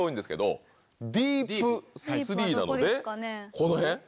ディープスリーなのでこの辺？